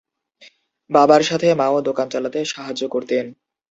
বাবার সাথে মাও দোকান চালাতে সাহায্য করতেন।